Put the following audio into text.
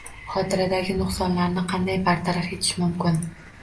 Xotiradagi nuqsonlarni qanday bartaraf etish mumkin?